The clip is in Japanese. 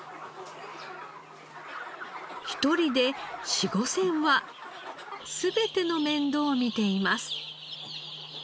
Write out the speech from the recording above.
１人で４０００５０００羽全ての面倒を見ています。